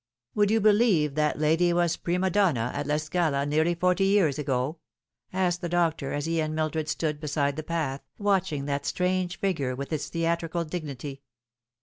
" Would you believe that lady was prima donna at La Scala nearly forty years ago ?" asked the doctor, as he and Mildred stood beside the path, watching that strange figure, with its theatrical dignity.